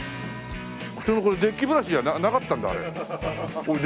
普通のこれデッキブラシじゃなかったんだあれ。